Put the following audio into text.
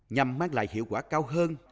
nhằm mang lại hiệu quả cao hơn